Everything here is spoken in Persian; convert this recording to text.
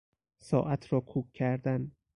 ساعت را کوک کردن